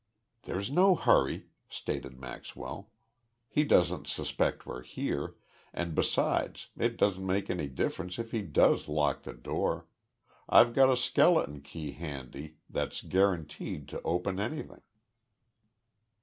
"There's no hurry," stated Maxwell. "He doesn't suspect we're here, and, besides, it doesn't make any difference if he does lock the door I've got a skeleton key handy that's guaranteed to open anything."